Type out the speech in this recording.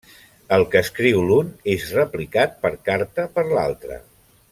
El que escriu l'un és replicat per carta per l'altre.